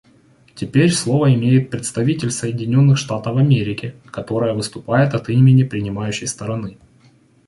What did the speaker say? Теперь слово имеет представитель Соединенных Штатов Америки, которая выступит от имени принимающей страны.